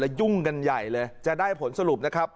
ยุ่งกันใหญ่เลยจะได้ผลสรุปนะครับ